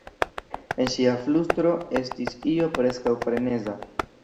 En ŝia flustro estis io preskaŭ freneza.